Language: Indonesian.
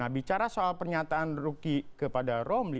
bicara soal pernyataan rocky kepada romli